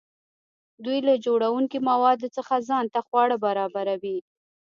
دوی له جوړونکي موادو څخه ځان ته خواړه برابروي.